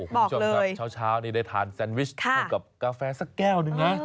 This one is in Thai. ผู้ชมครับช้าวได้ทานแซนวิชกับกาแฟสักแก้วนึงนะ